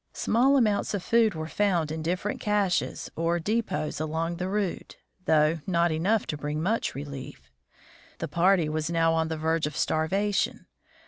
Small amounts of food were found in different caches or depots along the route, though not enough to bring much relief. The party was now on the verge of starvation.